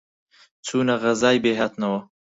چوونە غەزای بێهاتنەوە،